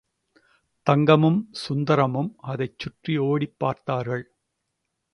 தங்கமணியும் சுந்தரமும் அதைச் சுற்றி ஓடோடிப் பார்த்தார்கள்.